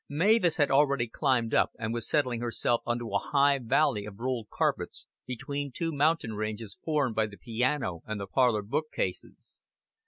Mavis had already climbed up, and was settling herself on a high valley of rolled carpets between two mountain ranges formed by the piano and the parlor bookcases.